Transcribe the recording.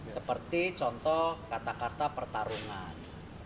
seperti contoh kata kata pertarungan